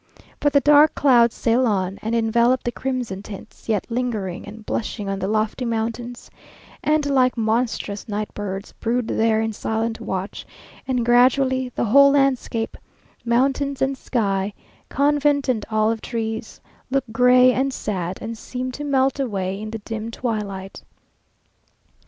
But the dark clouds sail on, and envelop the crimson tints yet lingering and blushing on the lofty mountains, and like monstrous night birds brood there in silent watch; and gradually the whole landscape mountains and sky, convent and olive trees, look gray and sad, and seem to melt away in the dim twilight.